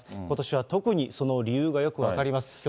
ことしは特にその理由がよく分かります。